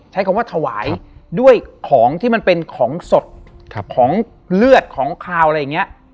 ใช้คำว่าถวายด้วยของที่มันเป็นของสดของเลือดของขาวอะไรอย่างนี้